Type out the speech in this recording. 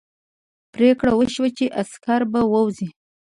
پرېکړه وشوه چې عسکر به ووځي.